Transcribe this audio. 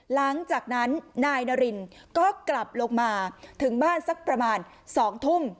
หลังจากนั้นนายนารินก็กลับลงมาถึงบ้านสักประมาณ๒ทุ่ม